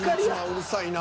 うるさいな。